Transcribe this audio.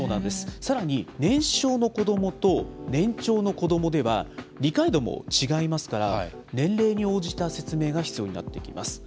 さらに、年少の子どもと年長の子どもでは、理解度も違いますから、年齢に応じた説明が必要になってきます。